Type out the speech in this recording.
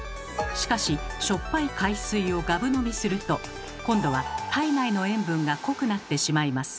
しかししょっぱい海水をガブ飲みすると今度は体内の塩分が濃くなってしまいます。